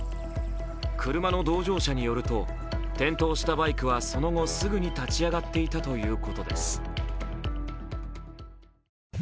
車の同乗者によると転倒したバイクはその後すぐに立ち上がっていたということです。